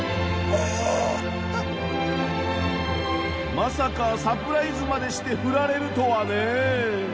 まさかサプライズまでしてフラれるとはね。